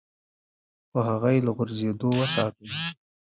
خو هغه يې له غورځېدو وساته.